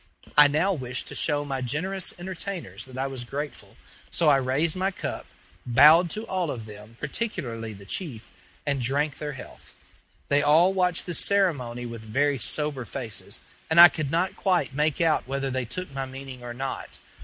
I now wished to show my generous entertainers that I was grateful; so I raised my cup, bowed to all of them, particularly the chief, and drank their health. They all watched this ceremony with very sober faces, and I could not quite make out whether they took my meaning or not.